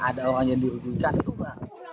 ada orang yang dirugikan itu berarti